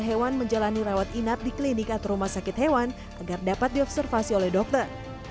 hewan menjalani rawat inap di klinik atau rumah sakit hewan agar dapat diobservasi oleh dokter